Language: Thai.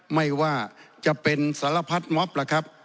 ไม่ว่าจะเป็นสารพัดม็อบล่ะครับ